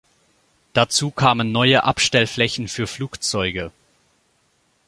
Dazu kamen neue Abstellflächen für Flugzeuge.